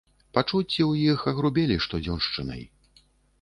Пачуцці ў іх агрубелі штодзёншчынай.